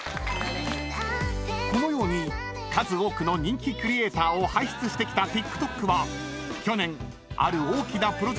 ［このように数多くの人気クリエイターを輩出してきたＴｉｋＴｏｋは］